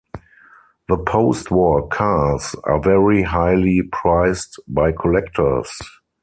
The post-war cars are very highly prized by collectors.